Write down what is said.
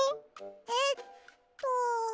えっと。